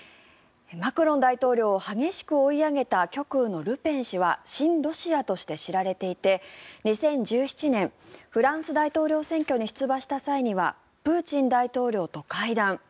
マクロン大統領を激しく追い上げた極右のルペン氏は親ロシアとして知られていて２０１７年フランス大統領選挙に出馬した際にはプーチン大統領と会談。